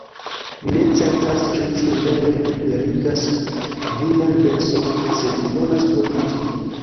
Mi ne certas ĉu tiu vere liberigas vian menson, sed mi volas provi ĝin